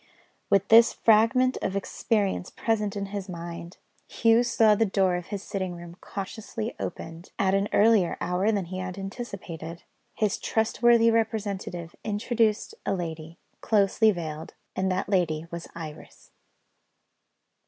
With this fragment of experience present in his mind, Hugh saw the door of his sitting room cautiously opened, at an earlier hour than he had anticipated. His trustworthy representative introduced a lady, closely veiled and that lady was Iris.